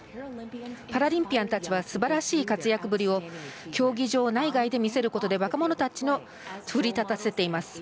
パラリンピアンたちはすばらしい活躍ぶりを競技場内外で見せることで若者たちを、奮い立たせています。